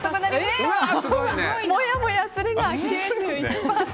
もやもやするが９１％。